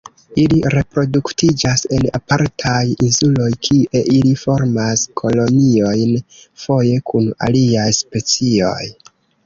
Ili reproduktiĝas en apartaj insuloj kie ili formas koloniojn foje kun aliaj specioj.